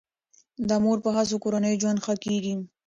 د مور په هڅو کورنی ژوند ښه کیږي.